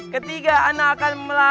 ketiga ana akan melamar lapil